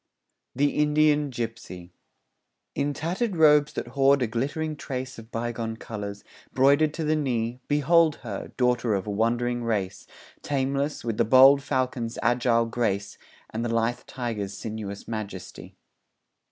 THE INDIAN GIPSY In tattered robes that hoard a glittering trace Of bygone colours, broidered to the knee, Behold her, daughter of a wandering race, Tameless, with the bold falcon's agile grace, And the lithe tiger's sinuous majesty.